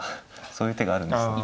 そういう手があるんですね。